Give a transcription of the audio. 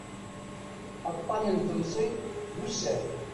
Aṭṭan n temẓi d ussan.